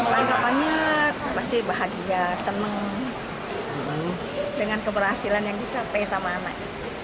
tanggapannya pasti bahagia senang dengan keberhasilan yang dicapai sama anak